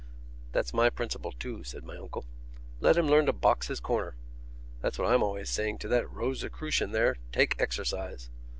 "That's my principle, too," said my uncle. "Let him learn to box his corner. That's what I'm always saying to that Rosicrucian there: take exercise.